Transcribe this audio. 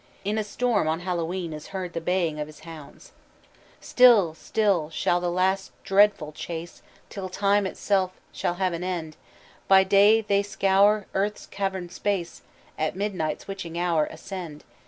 In a storm on Hallowe'en is heard the belling of his hounds. "Still, still shall last the dreadful chase Till time itself shall have an end; By day they scour earth's cavern'd space, At midnight's witching hour, ascend.